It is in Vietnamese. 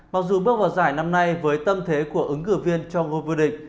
mặc dù bước vào giải năm nay với tâm thế của ứng cử viên cho ngôi vô địch